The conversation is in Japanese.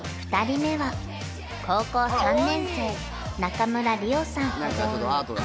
２人目は高校３年生中村莉緒さん